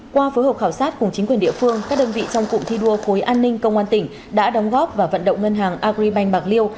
qua phối hợp khảo sát cùng chính quyền địa phương các đơn vị trong cụm thi đua khối an ninh công an tỉnh đã đóng góp và vận động ngân hàng agribank bạc liêu